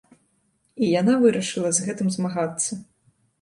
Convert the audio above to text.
І яна вырашыла з гэтым змагацца.